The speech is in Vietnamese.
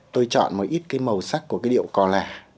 tôi chọn một ít cái màu sắc của cái điệu cò lẻ